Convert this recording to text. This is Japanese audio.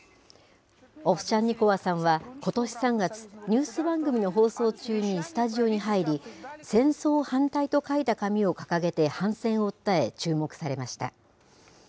オフシャンニコワさんはことし３月、ニュース番組の放送中にスタジオに入り、戦争反対と書いた紙を掲げて反戦を訴え、注目されました。